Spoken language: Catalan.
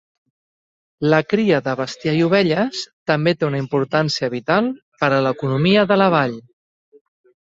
La cria de bestiar i ovelles també té una importància vital per a l'economia de la vall.